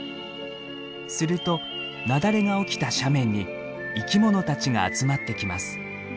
すると雪崩が起きた斜面に生きものたちが集まってきます。